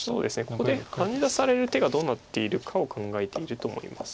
ここでハネ出される手がどうなっているかを考えていると思います。